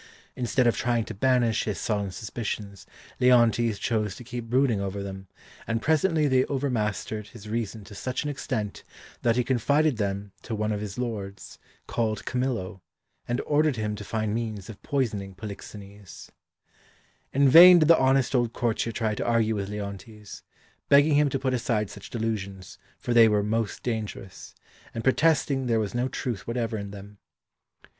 Instead of trying to banish his sullen suspicions Leontes chose to keep brooding over them, and presently they overmastered his reason to such an extent that he confided them to one of his lords, called Camillo, and ordered him to find means of poisoning Polixenes. In vain did the honest old courtier try to argue with Leontes, begging him to put aside such delusions, for they were most dangerous, and protesting there was no truth whatever in them.